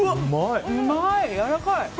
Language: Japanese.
うまい、やわらかい！